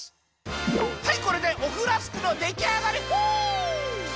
はいこれでおふラスクのできあがりフ！